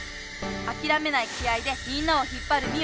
「『あ』きらめない気合いでみんなを引っぱるミ『オ』」！